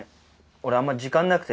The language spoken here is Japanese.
俺あんま時間なくて。